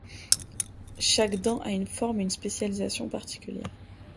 Chaque dent a une forme et une spécialisation particulière.